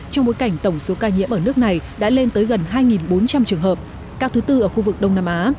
trong bối cảnh tổng số ca nhiễm ở nước này đã lên tới gần hai bốn trăm linh trường hợp ca thứ tư ở khu vực đông nam á